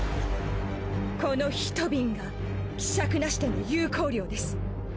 この１瓶が希釈なしでの有効量です。